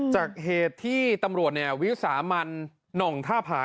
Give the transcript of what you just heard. จากเหตุที่ตำรวจวิสามันหน่องท่าผา